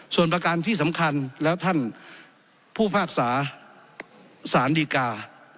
ส่วนประการที่สำคัญแล้วท่านผู้ภาคศาสนิกา